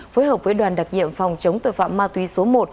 phối hợp với đoàn đặc nhiệm phòng chống tội phạm ma túy số một